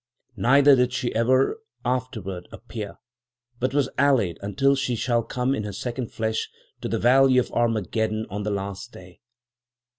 Neither did she ever afterward appear, but was allayed until she shall come in her second flesh to the valley of Armageddon on the last day."